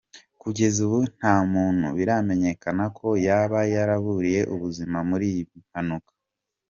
Kugeza ubu nta muntu biramekenyakana ko yaba yaburiye ubuzima muri iyi mpanuka.